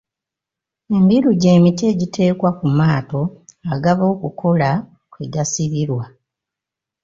Embiru gy’emiti egiteekwa ku maato agava okukola kwe gasibirwa.